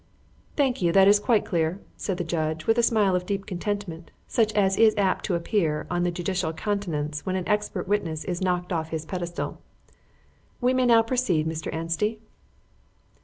"Thank you, that is quite clear," said the judge, with a smile of deep content, such as is apt to appear on the judicial countenance when an expert witness is knocked off his pedestal. "We may now proceed, Mr. Anstey."